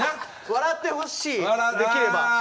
笑ってほしいできれば。